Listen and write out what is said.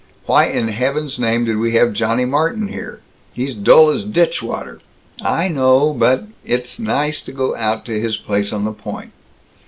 Why in heaven's name did we have Johnny Martin here? He's dull as ditchwater " "I know, but It is nice to go out to his place on the Point.